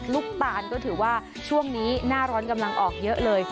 ลูกตาลก็ถือว่าช่วงนี้หน้าร้อนกำลังออกเยอะเลย